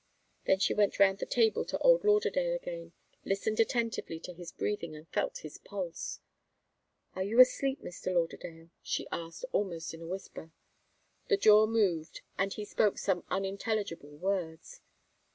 Then she went round the table to old Lauderdale again, listened attentively to his breathing and felt his pulse. "Are you asleep, Mr. Lauderdale?" she asked, almost in a whisper. The jaw moved, and he spoke some unintelligible words.